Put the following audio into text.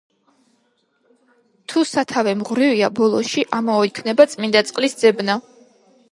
„თუ სათავე მღვრიეა, ბოლოში ამაო იქნება წმინდა წყლის ძებნა.“